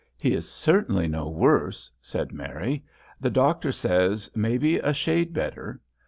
"He is certainly no worse," said Mary: "the doctor says, maybe a shade better.